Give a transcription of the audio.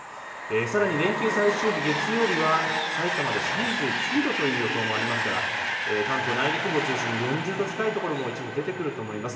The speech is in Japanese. さらに連休最終日、月曜日はさいたまで３９度という予想もありますから関東内陸部を中心に４０度近い所も一部出てくると思います。